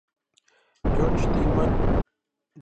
George Tillman Jr.